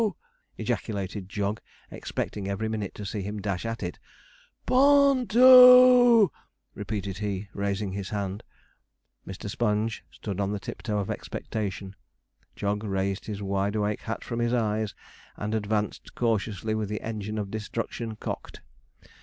ejaculated Jog, expecting every minute to see him dash at it. 'P o o n to!' repeated he, raising his hand. Mr. Sponge stood on the tip toe of expectation; Jog raised his wide awake hat from his eyes and advanced cautiously with the engine of destruction cocked.